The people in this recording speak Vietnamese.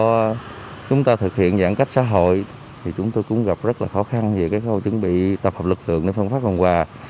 khi chúng ta thực hiện giãn cách xã hội thì chúng tôi cũng gặp rất là khó khăn về cái câu chuẩn bị tập hợp lực lượng để phân phát phần quà